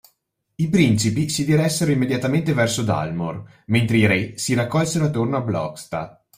I principi si diressero immediatamente verso Dalmor, mentre i re si raccolsero attorno a Blostgas